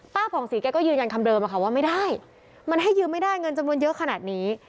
ผ่องศรีแกก็ยืนยันคำเดิมอะค่ะว่าไม่ได้มันให้ยืมไม่ได้เงินจำนวนเยอะขนาดนี้